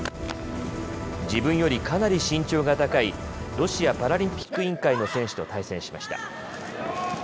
自分よりかなり身長が高いロシアパラリンピック委員会の選手と対戦しました。